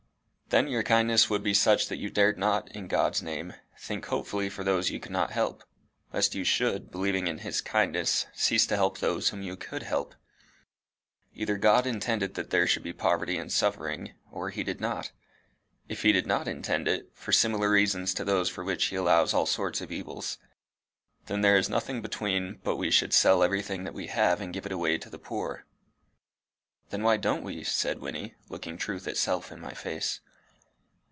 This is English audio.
"Then your kindness would be such that you dared not, in God's name, think hopefully for those you could not help, lest you should, believing in his kindness, cease to help those whom you could help! Either God intended that there should be poverty and suffering, or he did not. If he did not intend it for similar reasons to those for which he allows all sorts of evils then there is nothing between but that we should sell everything that we have and give it away to the poor." "Then why don't we?" said Wynnie, looking truth itself in my face.